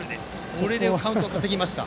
それでカウントを稼ぎました。